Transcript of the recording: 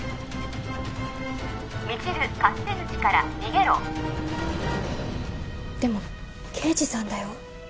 未知留勝手口から逃げろでも刑事さんだよ？